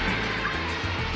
jangan makan aku